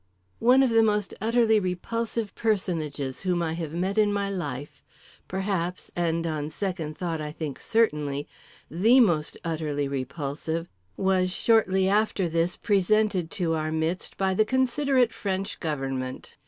One of the most utterly repulsive personages whom I have met in my life—perhaps (and on second thought I think certainly) the most utterly repulsive—was shortly after this presented to our midst by the considerate French government.